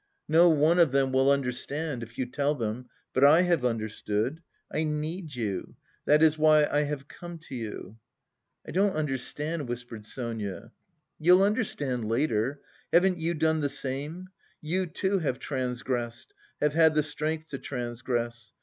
"No one of them will understand, if you tell them, but I have understood. I need you, that is why I have come to you." "I don't understand," whispered Sonia. "You'll understand later. Haven't you done the same? You, too, have transgressed... have had the strength to transgress.